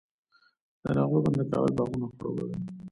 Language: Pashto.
د نغلو بند د کابل باغونه خړوبوي.